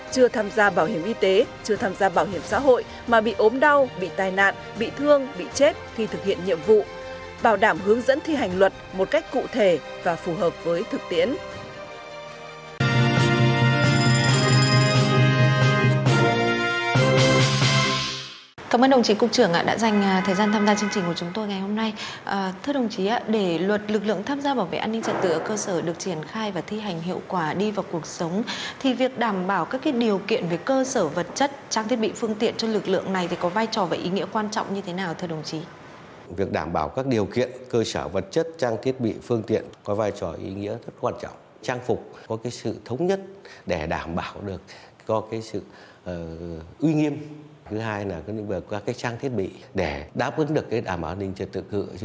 chưa tham gia bảo hiểm y tế chưa tham gia bảo hiểm xã hội mà bị ốm đau